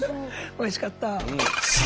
おいしかった！